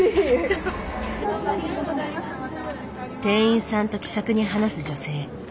店員さんと気さくに話す女性。